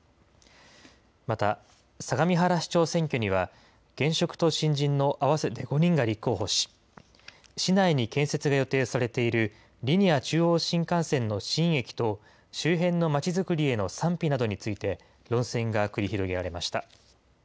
また、相模原市長選挙には、現職と新人の合わせて５人が立候補し、市内に建設が予定されている、リニア中央新幹線の新駅と周辺のまちづくりへの賛否などについて論戦が繰り広げられました。